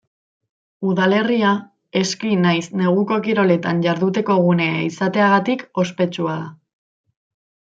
Udalerria eski nahiz neguko kiroletan jarduteko gunea izateagatik ospetsua da.